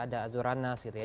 ada azoranas gitu ya